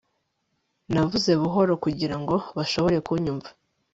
Navuze buhoro kugirango bashobore kunyumva